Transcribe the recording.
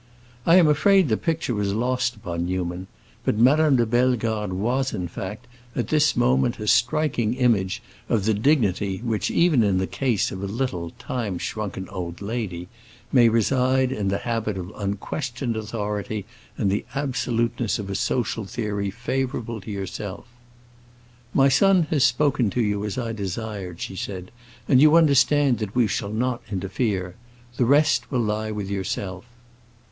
I am afraid the picture was lost upon Newman, but Madame de Bellegarde was, in fact, at this moment a striking image of the dignity which—even in the case of a little time shrunken old lady—may reside in the habit of unquestioned authority and the absoluteness of a social theory favorable to yourself. "My son has spoken to you as I desired," she said, "and you understand that we shall not interfere. The rest will lie with yourself."